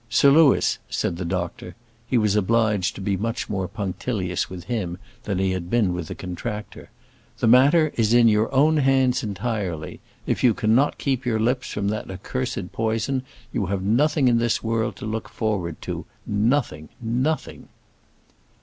"Sir Louis," said the doctor he was obliged to be much more punctilious with him than he had been with the contractor "the matter is in your own hands entirely: if you cannot keep your lips from that accursed poison, you have nothing in this world to look forward to; nothing, nothing!"